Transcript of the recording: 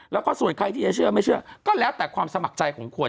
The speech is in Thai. แล้วก็ส่วนใครที่จะเชื่อไม่เชื่อก็แล้วแต่ความสมัครใจของคน